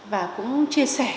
và cũng chia sẻ